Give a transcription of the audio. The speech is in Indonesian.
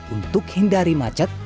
untuk hindari macet